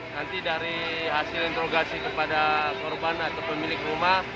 nanti dari hasil interogasi kepada korban atau pemilik rumah